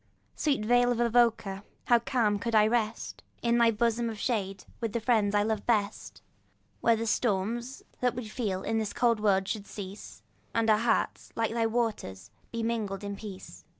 Sweet vale of Avoca! how calm could I rest In thy bosom of shade, with the friends I love best, Where the storms that we feel in this cold world should cease, And our hearts, like thy waters, be mingled in peace.